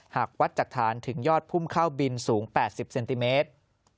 หากวัดจากฐานถึงยอดพุ่มเข้าบินสูง๘๐เซนติเมตร